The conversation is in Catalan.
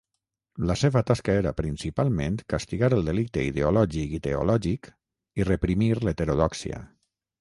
La seva tasca era principalment castigar el delicte ideològic i teològic i reprimir l'heterodòxia.